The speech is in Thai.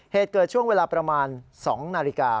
เหตุเกิดช่วงเวลาประมาณ๒นาฬิกา